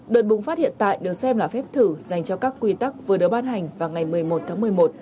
đợt bùng phát hiện tại được xem là phép thử dành cho các quy tắc vừa được ban hành vào ngày một mươi một tháng một mươi một